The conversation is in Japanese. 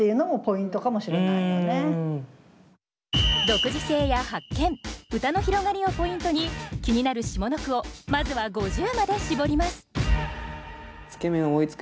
独自性や発見歌の広がりをポイントに気になる下の句をまずは５０まで絞ります